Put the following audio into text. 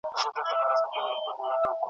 که د کلماتو له پلوه ورته وکتل سي ,